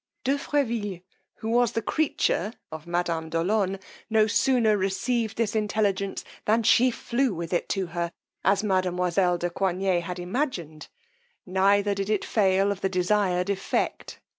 De Freville, who was the creature of madame de Olonne, no sooner received this intelligence than she flew with it to her, as mademoiselle de Coigney had imagined: neither did it fail of the desired effect.